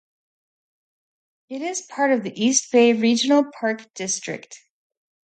It is a part of the East Bay Regional Park District.